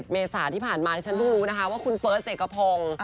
เมษาที่ผ่านมาที่ฉันเพิ่งรู้นะคะว่าคุณเฟิร์สเสกพงศ์